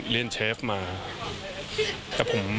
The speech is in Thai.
แล้วผมยังไม่มีโอกาสทำอาหารให้คุณพ่อทานเลย